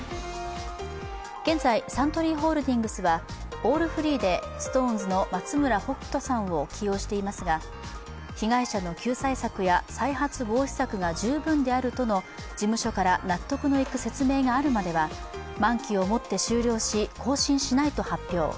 現在、サントリーホールディングスはオールフリーでＳｉｘＴＯＮＥＳの松村北斗さんを起用していますが被害者の救済策や再発防止策が十分であるとの事務所から納得いく説明があるまでは満期をもって終了し、更新しないと発表。